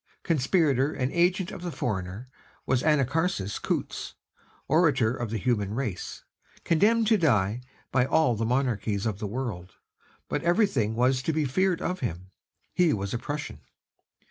Conspirator and agent of the foreigner was Anacharsis Cloots, 'orator of the human race,' condemned to die by all the Monarchies of the world; but everything was to be feared of him, he was a Prussian.